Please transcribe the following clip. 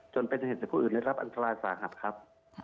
จนเป็นเหตุให้ผู้อื่นได้รับอันตรายสาหัสครับ